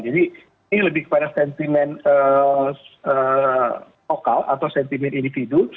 jadi ini lebih kepada sentimen lokal atau sentimen individu